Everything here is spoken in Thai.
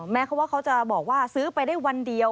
แม้เขาว่าเขาจะบอกว่าซื้อไปได้วันเดียว